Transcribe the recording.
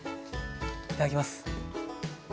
いただきます。